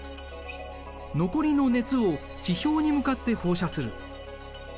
残りの熱を地表に向かって放射する。